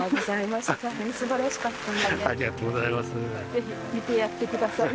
ぜひ見てやってください。